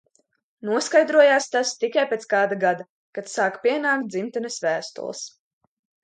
Noskaidrojās tas tikai pēc kāda gada, kad sāka pienākt dzimtenes vēstules.